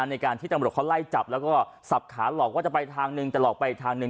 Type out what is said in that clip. ในการที่ตำรวจเขาไล่จับแล้วก็สับขาหลอกว่าจะไปทางหนึ่งแต่หลอกไปทางหนึ่ง